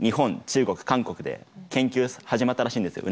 中国韓国で研究始まったらしいんですよ